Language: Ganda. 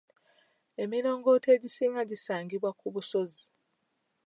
Emirongooti egisinga gisangibwa ku busozi.